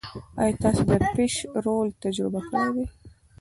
ایا تاسو د فش رول تجربه کړې ده؟